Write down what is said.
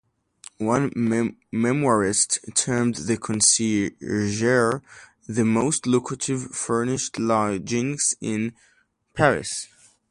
One memoirist termed the Conciergerie "the most lucrative furnished lodgings in Paris".